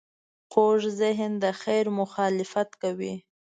کوږ ذهن د خیر مخالفت کوي